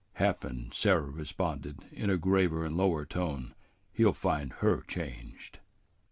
"Happen," Sarah responded, in a graver and lower tone, "he'll find her changed."